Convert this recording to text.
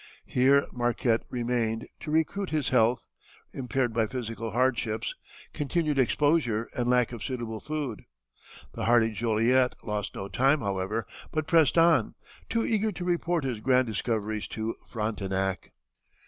Here Marquette remained to recruit his health, impaired by physical hardships, continued exposure, and lack of suitable food. The hardy Joliet lost no time, however, but pressed on, too eager to report his grand discoveries to Frontenac.